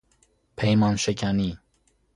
پیمانشکنی